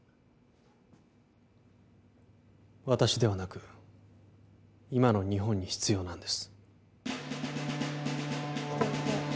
私ではなく今の日本に必要なんです